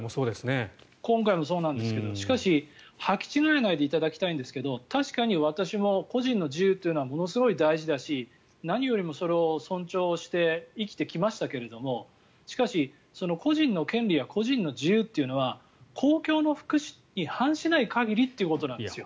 今回もそうなんですけどしかし、はき違えないでいただきたいんですが確かに私も個人の自由というのはものすごい大事だし何よりもそれを尊重して生きてきましたけどもしかし、個人の権利や個人の自由っていうのは公共の福祉に反しない限りなんですよ。